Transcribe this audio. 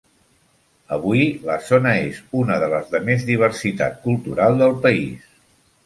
Avui, la zona és una de les de més diversitat cultural del país.